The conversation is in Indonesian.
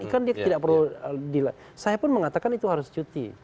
kan dia tidak perlu saya pun mengatakan itu harus cuti